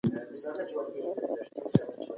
هورمونونه هم رول لري.